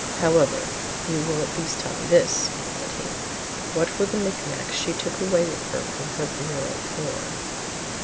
"However, you will at least tell me this," said he, "what were the knick knacks she took away with her from her bureau drawer?"